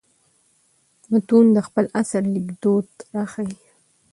متون د خپل عصر لیکدود راښيي.